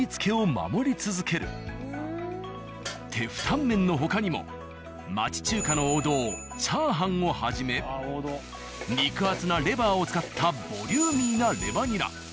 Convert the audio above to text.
今もテフタンメンの他にも町中華の王道チャーハンをはじめ肉厚なレバーを使ったボリューミーなレバニラ。